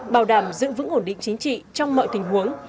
bảo đảm giữ vững ổn định chính trị trong mọi tình huống